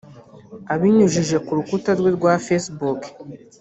abinyujije ku rukuta rwe rwa facebook